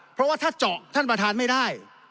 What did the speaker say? เพราะว่าถ้าเจาะท่านประธานไม่ได้